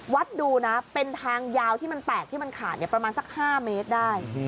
ดูนะเป็นทางยาวที่มันแตกที่มันขาดประมาณสัก๕เมตรได้